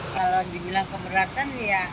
kalau dibilang keberatan ya